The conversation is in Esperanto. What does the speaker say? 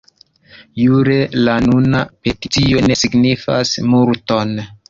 Jure la nuna peticio ne signifas multon.